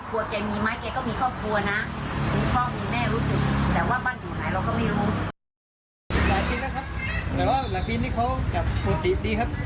อืม